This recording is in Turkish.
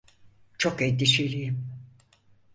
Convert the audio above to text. Çok endişeliyim.